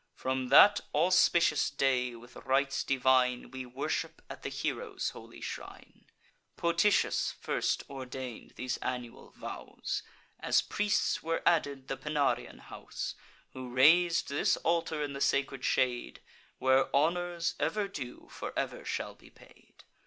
From that auspicious day, with rites divine, We worship at the hero's holy shrine. Potitius first ordain'd these annual vows: As priests, were added the Pinarian house, Who rais'd this altar in the sacred shade, Where honours, ever due, for ever shall be paid.